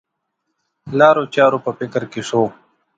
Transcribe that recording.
لارو چارو په فکر کې شو.